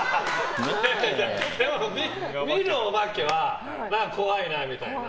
でも見るお化けは怖いなみたいな。